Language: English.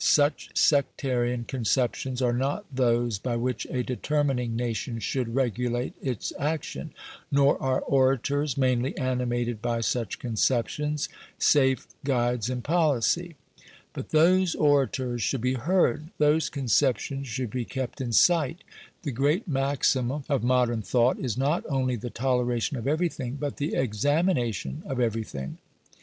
Such sectarian conceptions are not those by which a determining nation should regulate its action, nor are orators, mainly animated by such conceptions, safe guides in policy. But those orators should be heard; those conceptions should be kept in sight. The great maxim of modern thought is not only the toleration of everything, but the examination of everything.